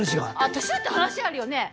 私だって話あるよねぇ。